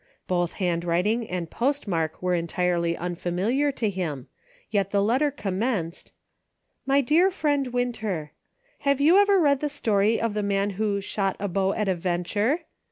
Both handwriting and postmark were en tirely unfamiliar to him, yet the letter commenced : My dear friend Winter : Have you ever read the story of the man who " shot a bow at a venture